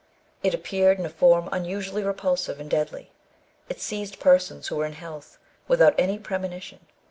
It appeared in a form unusually repulsive and deadly. It seized persons who were in health, without any premonition.